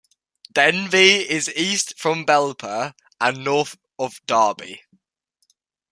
Denby is east from Belper and north of Derby.